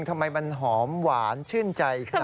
ทำไมมันหอมหวานชื่นใจขนาดนี้